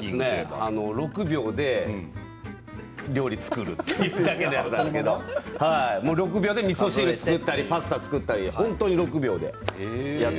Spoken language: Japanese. ６秒で料理を作るだけですけれども６秒でみそ汁を作ったりパスタを作ったり本当に６秒でやって。